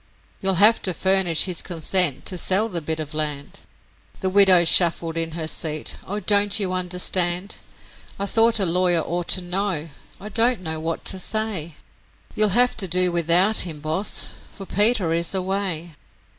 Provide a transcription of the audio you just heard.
'You'll have to furnish his consent to sell the bit of land.' The widow shuffled in her seat, 'Oh, don't you understand? I thought a lawyer ought to know I don't know what to say You'll have to do without him, boss, for Peter is away.'